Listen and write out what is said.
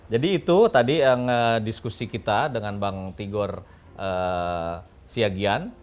jadi itu tadi yang diskusi kita dengan bang tigor siagian